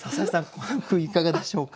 この句いかがでしょうか。